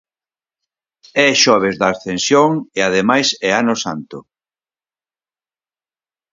É xoves da Ascensión e ademais é ano santo.